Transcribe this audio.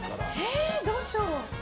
えー、どうしよう。